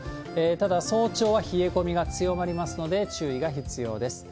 ただ、早朝は冷え込みが強まりますので、注意が必要です。